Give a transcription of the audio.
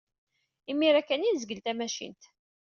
Imir-a kan ay nezgel tamacint.